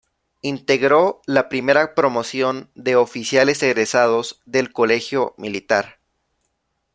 Integró la primera promoción de oficiales egresados del Colegio Militar.